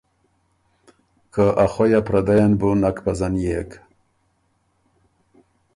که ا خوئ ا پردئ ن بُو نک پزنيېک۔